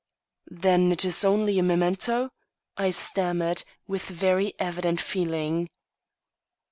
"Then it is only a memento," I stammered, with very evident feeling.